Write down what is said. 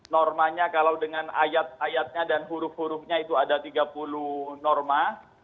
normanya kalau dengan ayat ayatnya dan huruf hurufnya itu ada tiga puluh norma